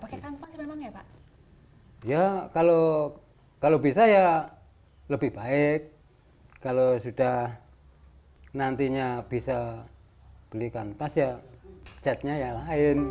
pakai kanvas memang ya pak ya kalau kalau bisa ya lebih baik kalau sudah nantinya bisa belikan pasya catnya yang lain